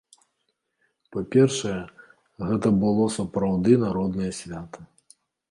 Па-першае, гэта было сапраўды народнае свята.